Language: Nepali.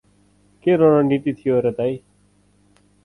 के रणनीति थियो र दाई?